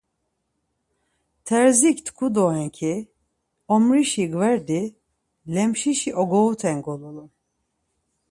Terzik tku doren ki, omrişi gverdi lemşişi ogoruten golulun.